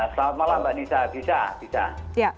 selamat malam mbak nisa bisa bisa